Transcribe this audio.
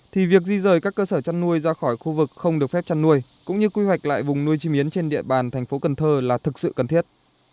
thì việc di rời các cơ sở chăn nuôi ra khỏi khu vực không được phép chăn nuôi cũng như quy hoạch lại vùng nuôi chim yến trên địa bàn thành phố cần thơ là thực sự cần thiết